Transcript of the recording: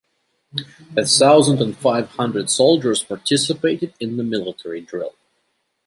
A thousand and five hundred soldiers participated in the military drill.